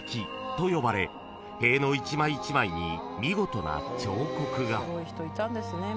［塀の一枚一枚に見事な彫刻が］